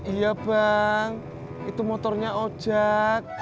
iya bang itu motornya ojek